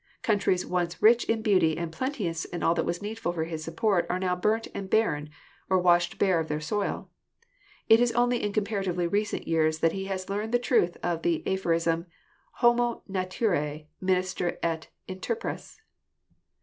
Countries once rich in beauty and plenteous in all that was needful for his support are now burnt and barren or washed bare of their soil. It is only in comparatively recent years that he has learned the truth of the aphorism, 'Homo Naturae minister et interpres.'